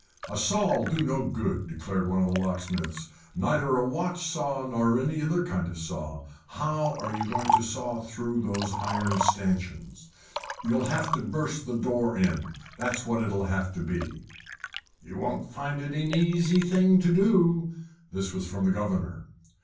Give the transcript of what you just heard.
"A saw'll be no good," declared one of the locksmiths. "Neither a watch saw nor any other kind of saw. How are you going to saw through those iron stanchions? You'll have to burst the door in, that's what it'll have to be." "You won't find it an easy thing to do." This was from the governor.